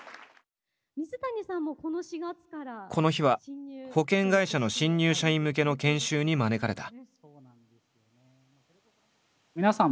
この日は保険会社の新入社員向けの研修に招かれた。